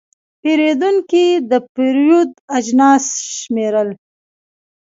پیرودونکی د پیرود اجناس شمېرل.